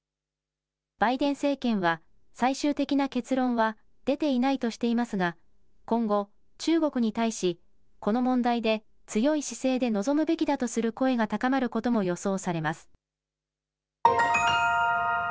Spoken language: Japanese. バイデン政権は、最終的な結論は出ていないとしていますが、今後、中国に対し、この問題で強い姿勢で臨むべきだとする声が高まることも予想されます。